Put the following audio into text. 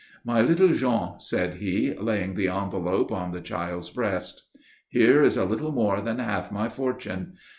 "My little Jean," said he, laying the envelope on the child's breast. "Here is a little more than half my fortune.